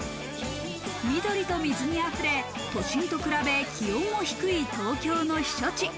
緑と水に溢れ、都心と比べ、気温も低い東京の避暑地。